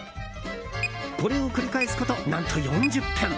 これを繰り返すこと何と４０分！